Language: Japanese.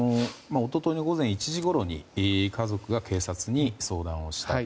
一昨日の午前１時ごろに家族が警察に相談したと。